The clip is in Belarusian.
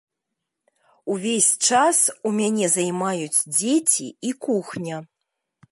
Увесь час у мяне займаюць дзеці і кухня.